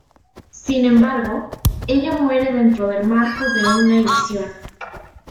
Sin embargo, ella muere dentro del marco de una edición.